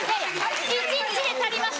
一日で足ります。